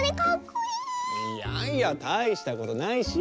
いやいやたいしたことないし！